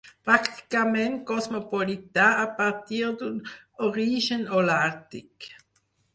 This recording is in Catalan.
Pràcticament cosmopolita a partir d'un origen holàrtic.